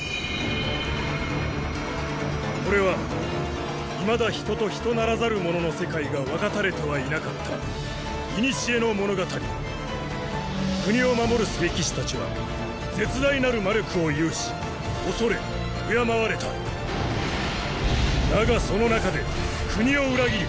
これはいまだ人と人ならざるものの世界が分かたれてはいなかった古の物語国を守る聖騎士たちは絶大なる魔力を有し恐れ敬われただがその中で国を裏切り